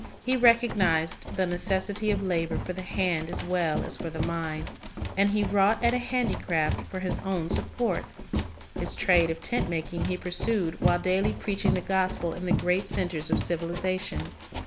He recognized the necessity of labor for the hand as well as for the mind, and he wrought at a handicraft for his own sup port. His trade of tent making he pursued while daily preaching the gospel in the great centers of civilization.